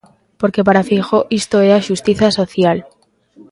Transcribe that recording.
Porque para Feijóo isto é a xustiza social.